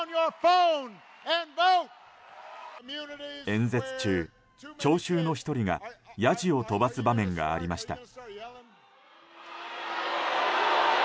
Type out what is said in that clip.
演説中、聴衆の１人がやじを飛ばす場面がありました。